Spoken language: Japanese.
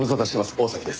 大崎です。